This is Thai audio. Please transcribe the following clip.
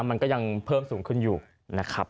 มันก็ยังเพิ่มสูงขึ้นอยู่นะครับ